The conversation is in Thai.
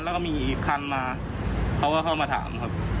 แล้วก็มีอีกคันมาเขาก็เข้ามาถามครับ